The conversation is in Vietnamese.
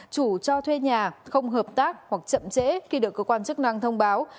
chủ cho thuê nhà không hợp tác hoặc chậm trễ khi được cơ quan chức năng thông báo